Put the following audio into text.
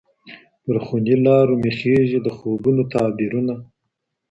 پر خوني لارو مي خیژي د خوبونو تعبیرونه